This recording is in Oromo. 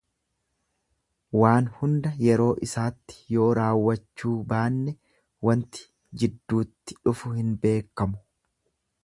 Waan hunda yeroo isaatti yoo raawwachuu baanne wanti jidduutti dhufu hin beekkamu.